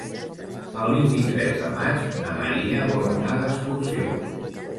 El vint-i-tres de maig na Maria vol anar d'excursió.